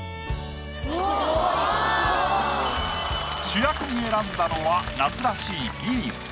主役に選んだのは夏らしいビール。